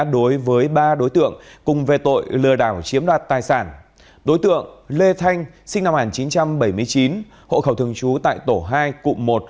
đối tượng lê thanh sinh năm một nghìn chín trăm bảy mươi chín hộ khẩu thường trú tại tổ hai cụm một